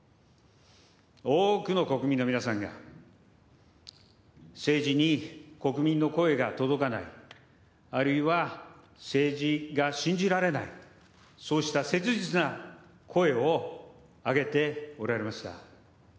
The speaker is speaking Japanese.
多くの国民の皆さんが、政治に国民の声が届かない、あるいは政治が信じられない、そうした切実な声を上げておられました。